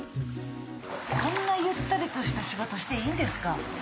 こんなゆったりとした仕事していいんですか？